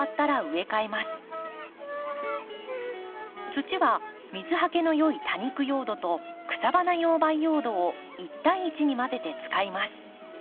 土は水はけのよい多肉用土と草花用培養土を１対１に混ぜて使います。